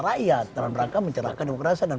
rakyat dalam rangka mencerahkan demokrasi dan